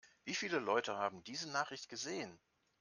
Wie viele Leute haben diese Nachricht gesehen?